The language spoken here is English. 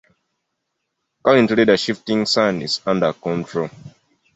Currently, the shifting sand is under control.